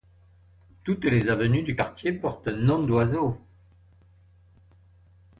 Toutes les avenues du quartier portent un nom d'oiseau.